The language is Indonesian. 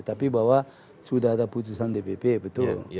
tapi bahwa sudah ada putusan dpp betul